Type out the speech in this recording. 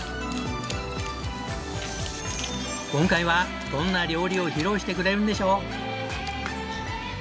今回はどんな料理を披露してくれるんでしょう？